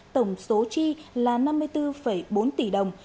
tổng số chi là năm mươi bốn bốn tỷ đồng